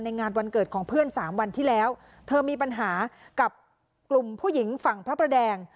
งานวันเกิดของเพื่อนสามวันที่แล้วเธอมีปัญหากับกลุ่มผู้หญิงฝั่งพระประแดง